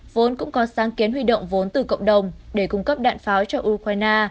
vốn cũng có sáng kiến huy động vốn từ cộng đồng để cung cấp đạn pháo cho ukraine